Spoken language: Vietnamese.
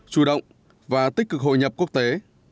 chủ động và tích cực hội nhập quốc tế